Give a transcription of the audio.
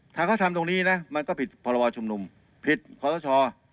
ถ้าเขาทำตรงนี้นะมันก็ผิดภาระวัลชุมนุมผิดความรัชชอ